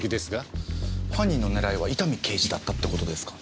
犯人の狙いは伊丹刑事だったって事ですか？